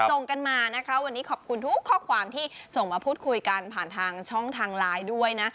ส่งกันมานะคะวันนี้ขอบคุณทุกข้อความที่ส่งมาพูดคุยกันผ่านทางช่องทางไลน์ด้วยนะ